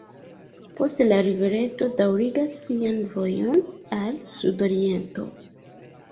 Poste la rivereto daŭrigas sian vojon al sudoriento.